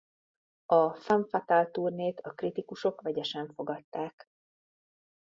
A Femme Fatale turnét a kritikusok vegyesen fogadták.